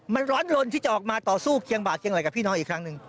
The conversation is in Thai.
มันร้อนลนที่จะออกมาต่อสู้เคียงบาดเคียงไลกับพี่น้องอีกครั้งหนึ่ง